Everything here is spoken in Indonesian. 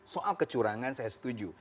soal kecurangan saya setuju